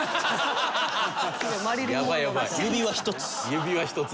指輪１つ。